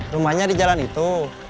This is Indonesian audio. rumahnya di jalan itu